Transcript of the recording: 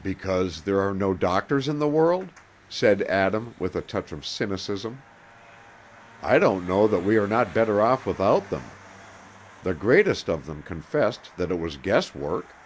"Because there are no doctors in the world?" said Adam, with a touch of cynicism. "I don't know that we are not better off without them. The greatest of them confessed that it was guess work.